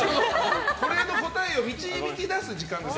これの答えを導き出す時間です。